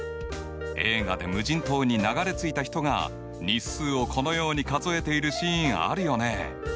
映画で無人島に流れ着いた人が日数をこのように数えているシーンあるよね。